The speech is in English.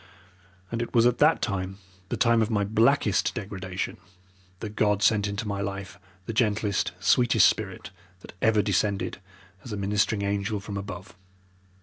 And it was at that time, the time of my blackest degradation, that God sent into my life the gentlest, sweetest spirit that ever descended as a ministering angel from above.